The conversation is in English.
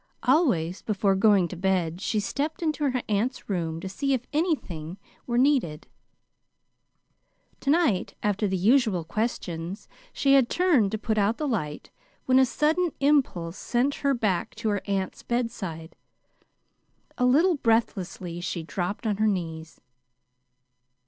Always before going to bed she stepped into her aunt's room to see if anything were needed. To night, after the usual questions, she had turned to put out the light when a sudden impulse sent her back to her aunt's bedside. A little breathlessly she dropped on her knees.